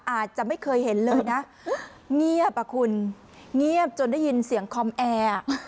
อาจจะไม่เคยเห็นเลยนะเงียบอ่ะคุณเงียบจนได้ยินเสียงคอมแอร์